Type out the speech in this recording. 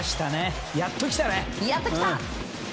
やっと来たね。